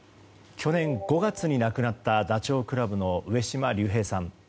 去年５月に亡くなったダチョウ倶楽部の上島竜兵さん。